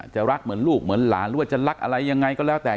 รักเหมือนลูกเหมือนหลานหรือว่าจะรักอะไรยังไงก็แล้วแต่